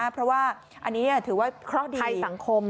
แค่ว่าอันนี้ถือว่าเขาได้สังคมเลยค่ะ